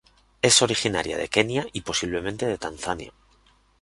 Es originaria de Kenia y posiblemente Tanzania.